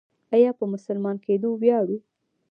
آیا په مسلمان کیدو ویاړو؟